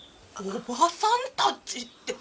おばさんたちって。